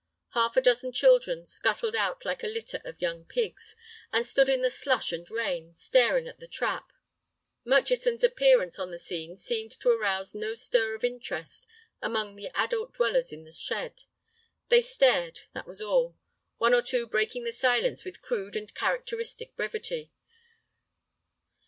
Half a dozen children scuttled out like a litter of young pigs, and stood in the slush and rain, staring at the trap. Murchison's appearance on the scene seemed to arouse no stir of interest among the adult dwellers in the shed. They stared, that was all, one or two breaking the silence with crude and characteristic brevity.